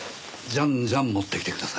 じゃんじゃん持ってきてください。